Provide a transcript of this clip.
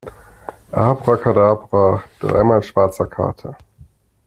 Abrakadabra, dreimal schwarzer Kater!